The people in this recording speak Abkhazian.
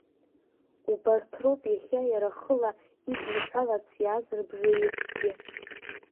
Убарҭ роуп иахьа иара хыла идныҳәаларц иааз рыбжаҩыкгьы.